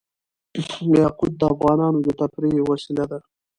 یاقوت د افغانانو د تفریح یوه وسیله ده.